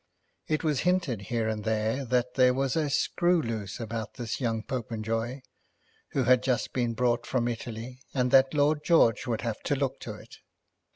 It was hinted here and there that there was "a screw loose" about this young Popenjoy, who had just been brought from Italy, and that Lord George would have to look to it.